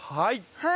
はい。